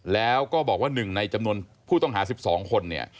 แล้วก็บอกว่า๑ในจำนวนผู้ต้องหา๑๒คนเนี่ย